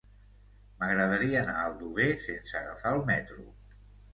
M'agradaria anar a Aldover sense agafar el metro.